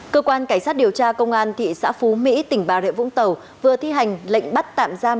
cơ quan cảnh sát điều tra công an thị xã phú mỹ tỉnh bà rịa vũng tàu vừa thi hành lệnh bắt tạm giam